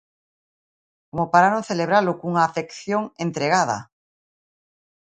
Como para non celebralo cunha afección entregada.